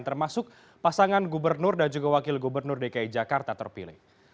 termasuk pasangan gubernur dan juga wakil gubernur dki jakarta terpilih